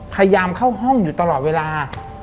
พยายามเข้าห้องอยู่ตลอดเวลา